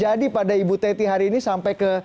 jadi pada ibu teti hari ini sampai ke